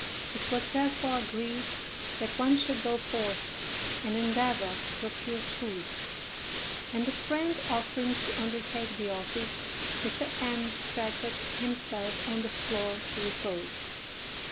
It was therefore agreed that one should go forth and endeavor to procure food; and the friend offering to undertake the office, Mr. M—— stretched himself on the floor to repose.